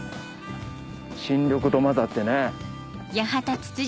新緑と混ざってね。